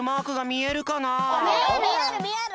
みえるみえる。